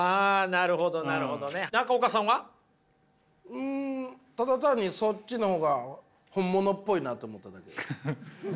うんただ単にそっちの方が本物っぽいなと思っただけです。